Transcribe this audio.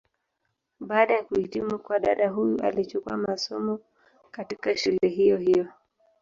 Baada ya kuhitimu kwa dada huyu alichukua masomo, katika shule hiyo hiyo.